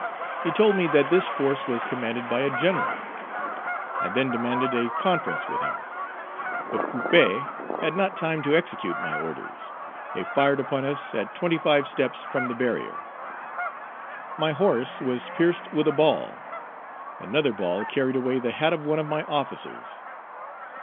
He told me that this force was commanded by a general. I then demanded a conference with him. But Couppé had not time to execute my orders; they fired upon us at twenty five steps from the barrier. My horse was pierced with a ball; another ball carried away the hat of one of my officers.